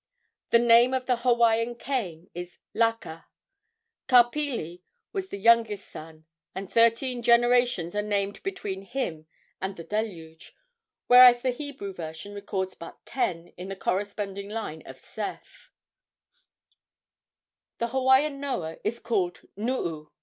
The name of the Hawaiian Cain is Laka. Ka Pili was the youngest son, and thirteen generations are named between him and the Deluge, whereas the Hebrew version records but ten on the corresponding line of Seth. The Hawaiian Noah is called Nuu.